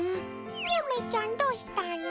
ゆめちゃんどうしたの？